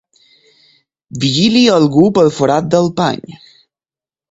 Vigili algú pel forat del pany.